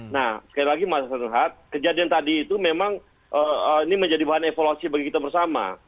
nah sekali lagi mas rehat kejadian tadi itu memang ini menjadi bahan evaluasi bagi kita bersama